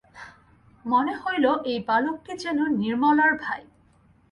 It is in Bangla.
মনে হইল এই বালকটি যেন নির্মলার ভাই।